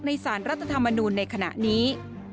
สารรัฐธรรมนูลในขณะนี้